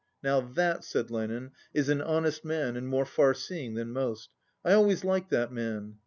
"Now that," said Lenin, "is an honest man and more far seeing than most. I always liked that man."